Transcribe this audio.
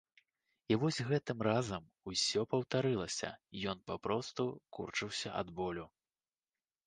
І вось гэтым разам усё паўтарылася, ён папросту курчыўся ад болю.